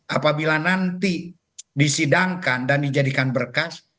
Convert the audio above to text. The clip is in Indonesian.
apabila nanti disidangkan dan dijadikan berkas